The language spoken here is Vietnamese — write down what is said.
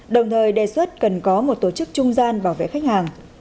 đồng thời đề xuất cần có một tổ chức trung gian bảo vệ khách hàng